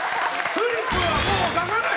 フリップはもう出さない！